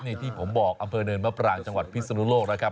นี่ที่ผมบอกอำเภอเนินมะปรางจังหวัดพิศนุโลกนะครับ